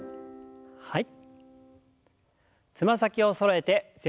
はい。